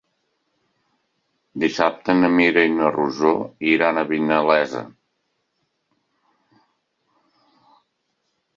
Dissabte na Mira i na Rosó iran a Vinalesa.